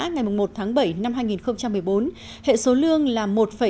ngày một tháng bảy năm hai nghìn một mươi bốn hệ số lương là một tám mươi sáu